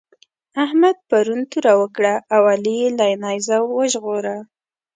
احمد پرون توره وکړه او علي يې له نېزه وژغوره.